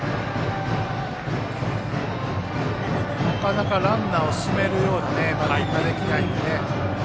なかなかランナーを進めるようなバッティングができないので。